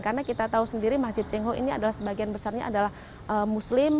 karena kita tahu sendiri masjid cengho ini adalah sebagian besarnya adalah muslim